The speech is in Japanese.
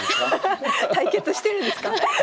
対決してるんですか？